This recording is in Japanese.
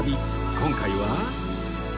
今回は